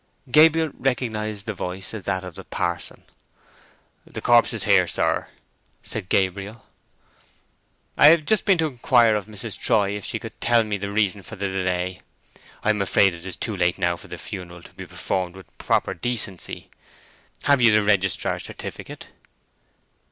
Gabriel recognized the voice as that of the parson. "The corpse is here, sir," said Gabriel. "I have just been to inquire of Mrs. Troy if she could tell me the reason of the delay. I am afraid it is too late now for the funeral to be performed with proper decency. Have you the registrar's certificate?"